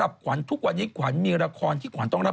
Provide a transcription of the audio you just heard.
อ๋อต่างก็โอเคเขาบอกช่อง๓